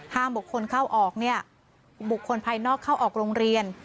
บุคคลเข้าออกเนี่ยบุคคลภายนอกเข้าออกโรงเรียน